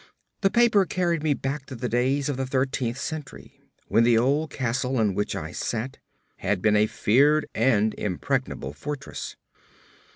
The paper carried me back to the days of the thirteenth century, when the old castle in which I sat had been a feared and impregnable fortress.